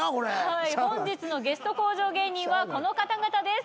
はい本日のゲスト向上芸人はこの方々です